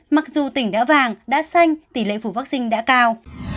mặc dù tỉnh đã vàng đã xanh tỷ lệ phủ vaccine đã cao